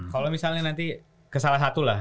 kalau misalnya nanti kesalah satu lah